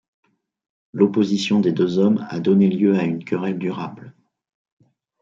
L'opposition des deux hommes a donné lieu à une querelle durable.